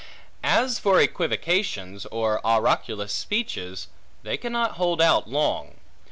As for equivocations, or oraculous speeches, they cannot hold out long.